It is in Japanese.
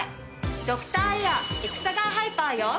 ドクターエアエクサガンハイパーよ。